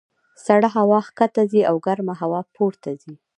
سړه هوا ښکته ځي او ګرمه هوا پورته کېږي.